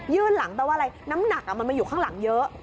หลังแปลว่าอะไรน้ำหนักมันมาอยู่ข้างหลังเยอะ